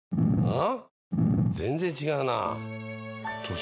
ん？